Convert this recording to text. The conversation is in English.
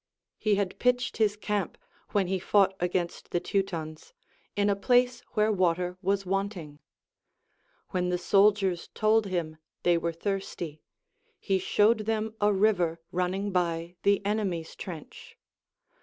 He had pitched his camp, when he fought against the Teutons, in a place where water was wanting ; Avhen the soldiers told him they were thirsty, he showed them a river running by the enemy's trench.